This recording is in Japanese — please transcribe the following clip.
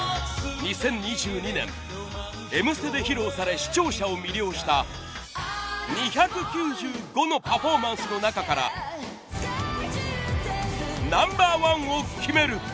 ２０２２年『Ｍステ』で披露され視聴者を魅了した２９５のパフォーマンスの中からＮｏ．１を決める！